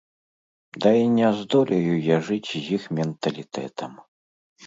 Ды і не здолею я жыць з іх менталітэтам.